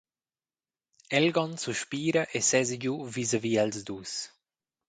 Elgon suspira e sesa giu visavi els dus.